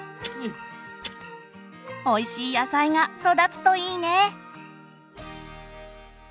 おいしい野菜が育つといいね！